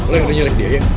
lo yang udah nyelek dia ya